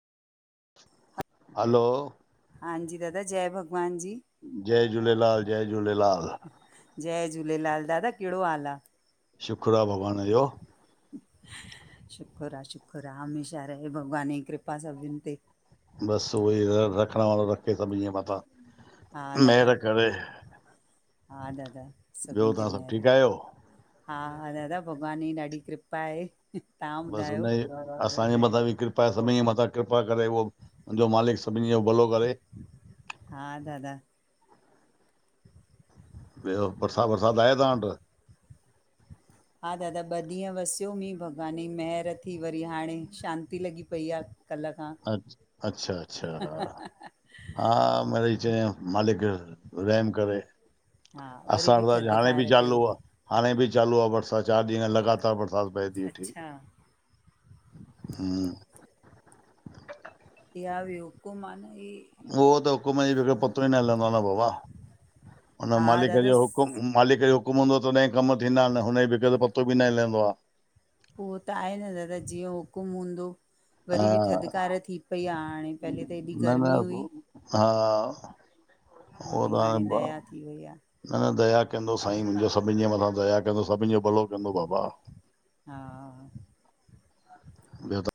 हलो। हांजी दादा। जय भॻवान जी। जय झूलेलाल, जय झूलेलाल। जय झूलेलाल। दादा कहिड़ो हालु आहे। शुक्र आहे भॻवान जो। शुखरु आ शुखर आ हमेशा रहे भॻवान ई कृपा सभिनि ते। बसि उहो ई रखण वारो रखे सभिनि जे मथां हा महिर दादा करे। हा दादा ॿियो सबिनि ते तव्हां सभु मेहिर, ठीकु आहियो हा -हा, दादा भॻवान ई ॾाढी कृपा आहे। तव्हां बसू ॿुधायो उनई असांजे मथां बि कृपा ए सभिनि जे मथां कृपा करे उहो मुंहिंजो मालिक सभिनी जो भलो करे। हा दादा ॿियो बरसात वरसाति आहे तव्हां वटि? हा दादा ॿ ॾींहं वसियो मींहु भॻवान जी महिर थी वरी हाणे शांती लॻी पई आ। कल्ह खां अ अच्छा- अच्छा। हा मिड़ई चयऊं मालिक रहम करे। हा वरी असां बि वटि त हाणे बि थधिकार चालू कई आ। थी। हाणे बि चालू आ बरसाति, चारि ॾींहं लॻातार बरसाति पए ती वेठी। अच्छा हम्म इहा बि हुक्म आन ई उहो त हुकुम जे ई पतो ई न हिलंदो आ न बाबा हुन हा मालिक जो दादा हुकुमु मालिक जो हुकुमु हूंदो तॾहिं कमु थींदा इन हुनजे बिगर पतो बि न हिलंदो आ। उहो त आहे न दादा जीअं हुकुम हूंदो। हा वरी बि थधिकार थी पई आ हाणे पहले त एॾी न न गर्मी हुई। हा ज़ू उहो बि त हाणे ब- दया थी वई आ। न -न, दया कंदो साईं मुंहिंजो सभिनि जे मथां दया कंदो सभिनि जो भलो कंदो बाबा। हा ॿियो त